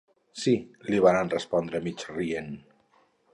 Sí…- li varen respondre, mig rient.